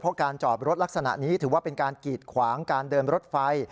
เพราะการจอดรถลักษณะนี้ถือว่าเป็นการกีดขวางการเดินรถไฟ